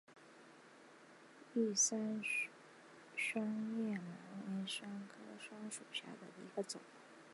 玉山双叶兰为兰科双叶兰属下的一个种。